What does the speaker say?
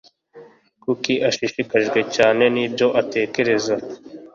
Kuki ushishikajwe cyane nibyo atekereza?